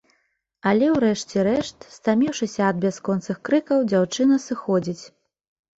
Але ў рэшце рэшт, стаміўшыся ад бясконцых крыкаў, дзяўчына сыходзіць.